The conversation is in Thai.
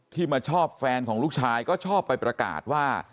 มาชอบแฟนของลูกชายก็ชอบไปประกาศว่า